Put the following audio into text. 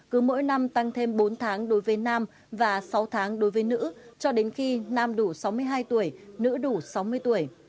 cứ mỗi năm tăng thêm bốn tháng đối với nam và sáu tháng đối với nữ cho đến khi nam đủ sáu mươi hai tuổi nữ đủ sáu mươi tuổi